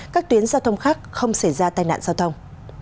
các tuyến giao thông khác không xảy ra tai nạn giao thông